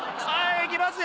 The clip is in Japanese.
いきますよ。